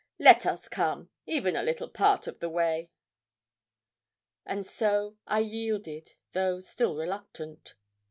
Let us come even a little part of the way.' And so I yielded, though still reluctant.